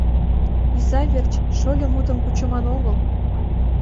— Иза верч шольо мутым кучыман огыл...